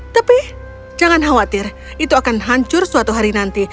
tapi jangan khawatir itu akan hancur suatu hari nanti